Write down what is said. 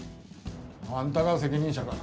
あんたが責任者か。